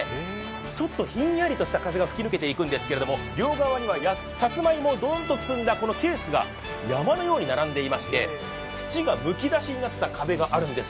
ちょっとひんやりとした風が吹き抜けていくんですけど両側にはさつまいもをどーんと積んだケースが山のように並んでいまして土がむき出しになった壁があるんです。